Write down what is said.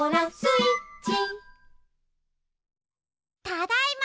ただいま！